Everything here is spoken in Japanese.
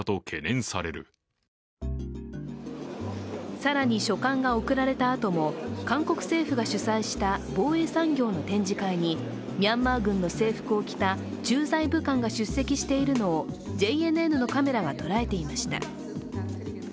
更に書簡が送られたあとも韓国政府が主催した防衛産業の展示会にミャンマー軍の制服を着た駐在武官が出席しているのをＪＮＮのカメラが捉えていました。